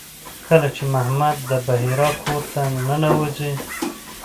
کله چې محمد د بحیرا کور ته ننوځي.